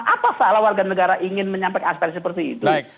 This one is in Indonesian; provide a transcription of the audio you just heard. apa salah warga negara ingin menyampaikan aspirasi seperti itu